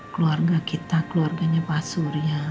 keluarga kita keluarganya pak surya